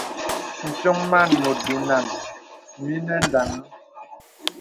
M̀pyōŋ màn mùt binām mìnə̀ daŋ̄aŋ.